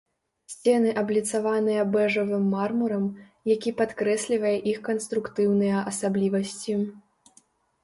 Сцены абліцаваныя бэжавым мармурам, які падкрэслівае іх канструктыўныя асаблівасці.